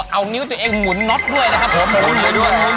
เอานิ้วตัวเองหมุนน็อตด้วยนะครับผม